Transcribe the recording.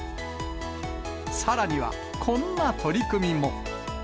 さらには、こんな取り組みも。